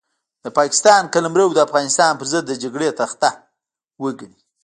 د پاکستان قلمرو د افغانستان پرضد د جګړې تخته وګڼي.